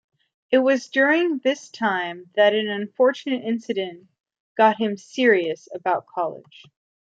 It was during this time that an unfortunate incident got him "serious" about college.